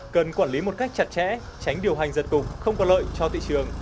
cần quản lý một cách chặt chẽ tránh điều hành giật cục không có lợi cho thị trường